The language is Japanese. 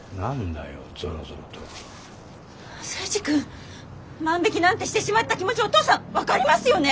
征二君万引きなんてしてしまった気持ちお父さん分かりますよね。